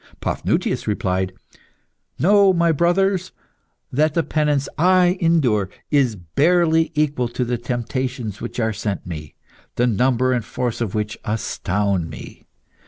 Paphnutius replied "Know, my brothers, that the penance I endure is barely equal to the temptations which are sent me, the number and force of which astound me.